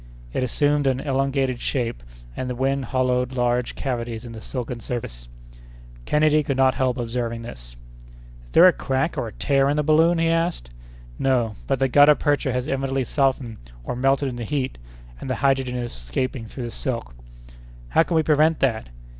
It assumed an elongated shape, and the wind hollowed large cavities in the silken surface. Kennedy could not help observing this. "Is there a crack or a tear in the balloon?" he asked. "No, but the gutta percha has evidently softened or melted in the heat, and the hydrogen is escaping through the silk." "How can we prevent that?"